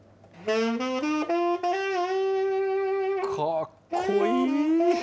かっこいい！